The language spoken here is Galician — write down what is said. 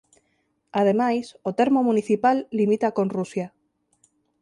Ademais o termo municipal limita con Rusia.